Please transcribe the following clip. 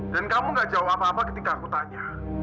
dan kamu nggak jawab apa apa ketika aku tanya